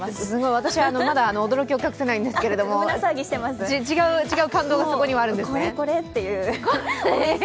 私、まだ驚きを隠せないんですけど違う感動がそこにあるんですね。